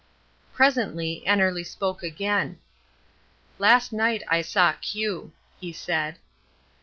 Presently Annerly spoke again. "Last night I saw Q," he said.